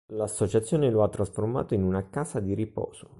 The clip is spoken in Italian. L'associazione lo ha trasformato in una casa di riposo.